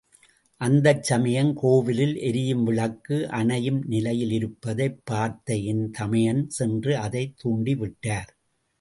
அந்தச் சமயம், கோவிலில் எரியும் விளக்கு அணையும் நிலையிலிருப்பதைப் பார்த்த என் தமையன், சென்று அதைத் தூண்டிவிட்டார்.